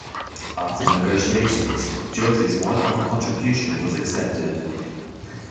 After negotiations, Jersey's one-off contribution was accepted.